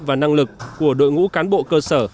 và năng lực của đội ngũ cán bộ cơ sở